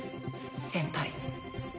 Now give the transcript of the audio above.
先輩。